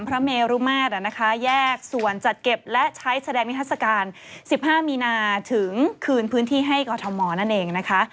พระเมรุมาตรแยกส่วนจัดเก็บและใช้แสดงนิทัศกาล๑๕มีนาถึงคืนพื้นที่ให้กรทมนั่นเองนะคะ